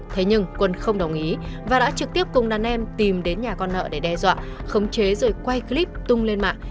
thế nhưng quân không đồng ý và đã trực tiếp cùng đàn em tìm đến nhà con nợ để đe dọa khống chế rồi quay clip tung lên mạng